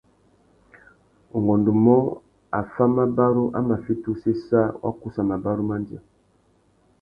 Ungôndumô, affámabarú a mà fiti usséssa wa kussa mabarú mandjê.